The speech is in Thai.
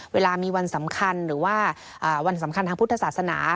เวลามีวันสำคัญหรือว่าวันสำคัญทางพุทธศาสนา